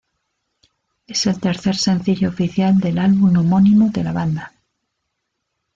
Es el tercer sencillo oficial del álbum homónimo de la banda.